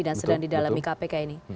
dan sedang di dalam kpk ini